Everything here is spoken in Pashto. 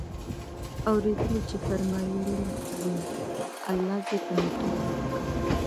اورېدلي چي فرمايل ئې: الله زر امتونه پيدا كړي